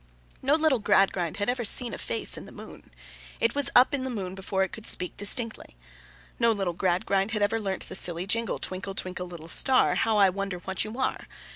No little Gradgrind had ever seen a face in the moon; it was up in the moon before it could speak distinctly. No little Gradgrind had ever learnt the silly jingle, Twinkle, twinkle, little star; how I wonder what you are!